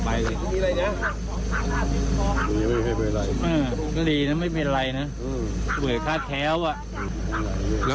มันเอียงไปซิกนู้นหมดแล้ว